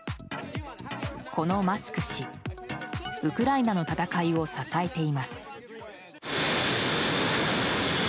このマスク氏、ウクライナの戦いを支えています。